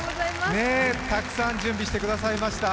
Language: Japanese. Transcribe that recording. たくさん準備してくださいました。